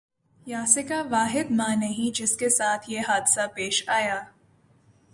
یاسیکا واحد ماں نہیں جس کے ساتھ یہ حادثہ پیش آیا